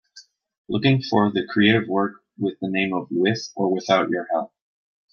Looking for the creative work with the name of With or Without Your Help